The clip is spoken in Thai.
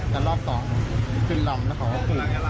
ละรอบสองขึ้นลำแล้วขอรับปืน